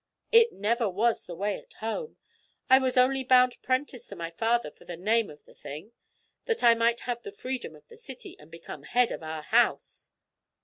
"It never was the way at home. I was only bound prentice to my father for the name of the thing, that I might have the freedom of the city, and become head of our house."